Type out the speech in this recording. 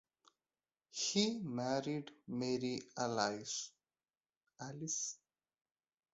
He married Mary Alice.